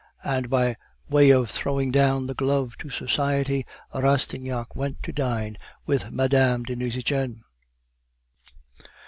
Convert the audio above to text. And by way of throwing down the glove to Society, Rastignac went to dine with Mme. de Nucingen.